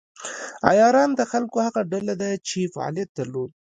عیاران د خلکو هغه ډله ده چې فعالیت درلود.